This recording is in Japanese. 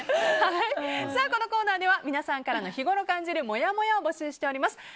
このコーナーでは皆さんからの日ごろ感じるもやもやを募集しております。